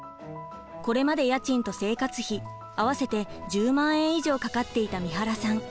これまで家賃と生活費合わせて１０万円以上かかっていた三原さん。